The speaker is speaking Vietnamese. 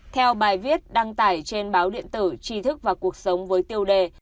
theo bài viết đăng tải trên báo điện tử tri thức và cuộc sống với tiêu đề